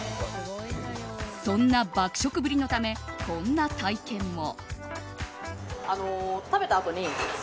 そんな爆食ぶりのためこんな体験も。